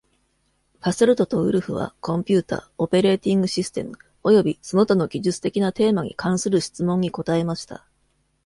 ファソルトとウルフは、コンピュータ、オペレーティングシステム、およびその他の技術的なテーマに関する質問に答えました。